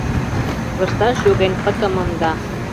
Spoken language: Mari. Лышташ йоген пытымым да.